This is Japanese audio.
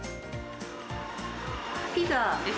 ピザです。